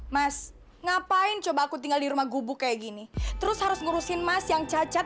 mas ngapain coba aku tinggal di rumah gubuk kayak gini terus harus ngurusin mas yang cacat